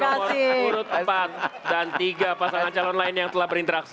kita berikan tepuk tangan kepada pasangan nomor urut empat dan tiga pasangan calon lain yang telah berinteraksi